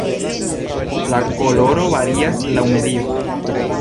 La koloro varias laŭ medio.